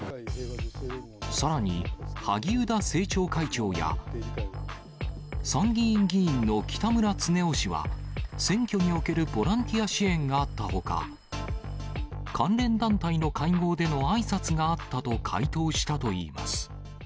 さらに、萩生田政調会長や、参議院議員の北村経夫氏は、選挙におけるボランティア支援があったほか、関連団体の会合でのあいさつがあったと回答したといいます。